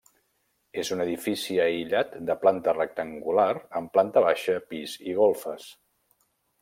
És un edifici aïllat de planta rectangular amb planta baixa, pis i golfes.